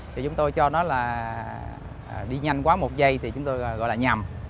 và đi nhanh quá một giây thì chúng tôi gọi là nhầm